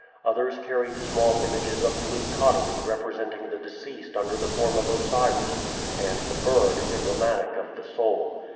Others carried small images of blue pottery representing the deceased under the form of Osiris, and the bird emblematic of the soul.